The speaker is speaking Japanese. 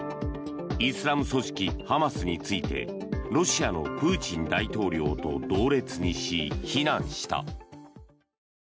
イスラム組織ハマスについてロシアのプーチン大統領と同列にし、非難した。